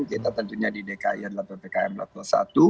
kita tentunya di dki adalah ppkm level satu